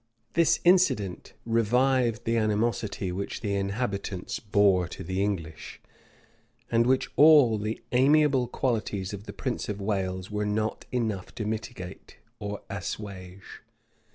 This incident revived the animosity which the inhabitants bore to the English, and which all the amiable qualities of the prince of Wales were not able to mitigate or assuage.